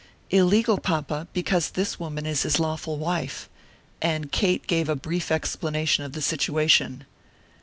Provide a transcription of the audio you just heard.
"Illegal, papa, because this woman is his lawful wife." And Kate gave a brief explanation of the situation.